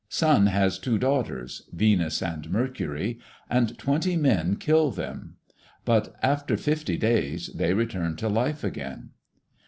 Sun has two daughters (Venus and Mercury) and twenty men kill them; but after fifty days, they return to life again.